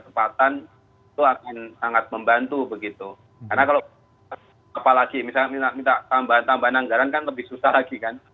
itu akan sangat membantu begitu karena kalau apalagi misalnya minta tambahan tambahan anggaran kan lebih susah lagi kan